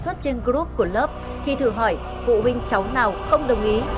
trưởng ban phụ huynh nhắn đề xuất trên group của lớp khi thử hỏi phụ huynh cháu nào không đồng ý